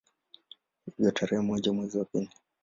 Hivyo tarehe moja mwezi wa pili